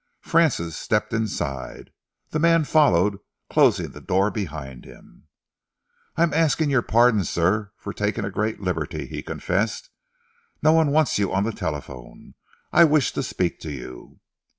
Francis stepped inside. The man followed, closing the door behind him. "I am asking your pardon, sir, for taking a great liberty," he confessed. "No one wants you on the telephone. I wished to speak to you."